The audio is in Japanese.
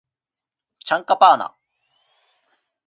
チャンカパーナ